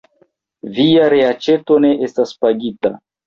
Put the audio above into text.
Via reaĉeto ne estas pagita.